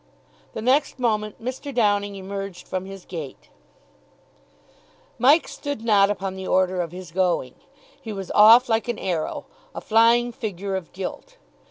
The next moment Mr. Downing emerged from his gate. Mike stood not upon the order of his going. He was off like an arrow a flying figure of Guilt.